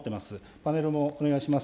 パネルもお願いします。